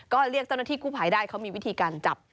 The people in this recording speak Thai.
ก็เรียกเจ้าหน้าที่กู้ภัยได้เขามีวิธีการจับ